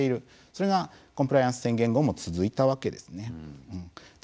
それがコンプライアンス宣言後も続いたわけですね。